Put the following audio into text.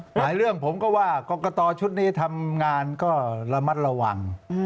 หลายเรื่องผมก็ว่ากรกตชุดนี้ทำงานก็ระมัดระวัง